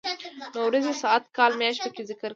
نو ورځې ،ساعت، کال ،مياشت پکې ذکر کړي.